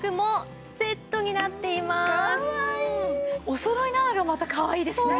おそろいなのがまたかわいいですね。